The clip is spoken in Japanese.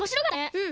うん。